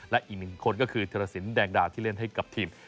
และอีกหนึ่งคนก็คือธิรสินแดงดาที่เล่นให้กับทีม